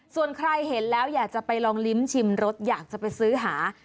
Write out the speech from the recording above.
ส่วนใครเห็นแล้วอยากจะไปลองลิ้มชิมรสอยากจะไปซื้อหา